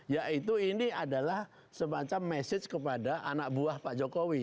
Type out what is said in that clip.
yaitu ini adalah semacam message kepada anak buah pak jokowi